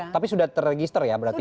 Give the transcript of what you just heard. tapi sudah terregister ya berarti